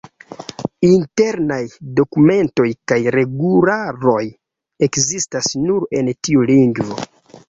Internaj dokumentoj kaj regularoj ekzistas nur en tiu lingvo.